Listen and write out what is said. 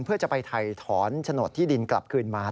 เพื่อจะไปถ่ายถอนโฉนดที่ดินกลับคืนมา